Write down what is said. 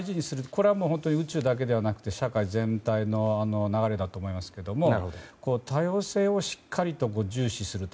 これは宇宙だけではなくて社会全体の流れだと思いますけど多様性をしっかりと重視すると。